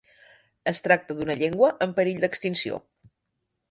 Es tracta d'una llengua en perill d'extinció.